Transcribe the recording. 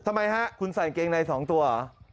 ทำไมฮะคุณใส่เกงใน๒ตัวเหรอ